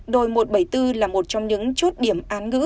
đồi một trăm bảy mươi bốn là một trong những chốt điểm án ngữ